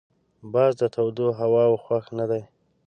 باز د تودو هواوو خوښ نه دی